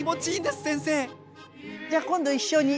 じゃあ今度一緒に。